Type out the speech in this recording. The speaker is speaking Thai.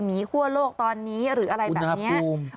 หั่วโลกตอนนี้หรืออะไรแบบนี้